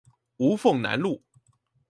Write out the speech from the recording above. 吳鳳南路